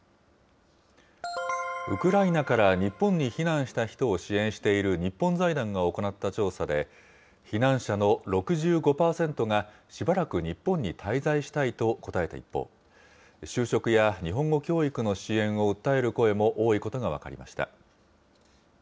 ウクライナから日本に避難した人を支援している日本財団が行った調査で、避難者の６５％が、しばらく日本に滞在したいと答えた一方、就職や日本語教育の支援を訴える声も多いことが分かりました。